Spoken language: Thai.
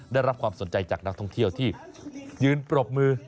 ได้รับความสนใจจากนักท่องเที่ยวที่ยืนปรบมือ